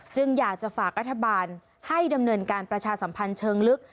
อยากจะฝากรัฐบาลให้ดำเนินการประชาสัมพันธ์เชิงลึก